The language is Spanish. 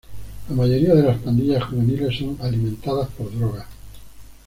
La mayoría de las pandillas juveniles son alimentadas por drogas.